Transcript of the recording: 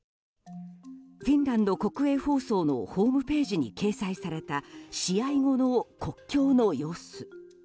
フィンランド国営放送のホームページに掲載された試合後の国境の様子。